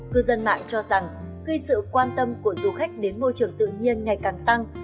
cư dân mạng cho rằng khi sự quan tâm của du khách đến môi trường tự nhiên ngày càng tăng